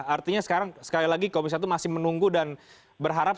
artinya sekarang sekali lagi komisi satu masih menunggu dan berharap